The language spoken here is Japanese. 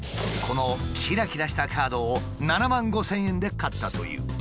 このキラキラしたカードを７万５，０００円で買ったという。